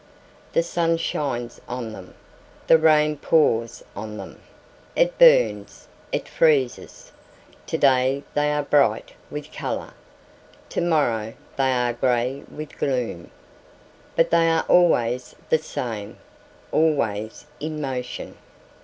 The sun shines on them. The rain pours on them. It burns. It freezes. To day they are bright with color. To morrow they are gray with gloom. But they are always the same, always in motion."